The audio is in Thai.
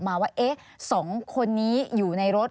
การยิงปืนแบบไหน